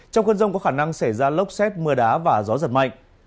trong cơn rông có khả năng xảy ra lốc xét mưa đá và gió giật mạnh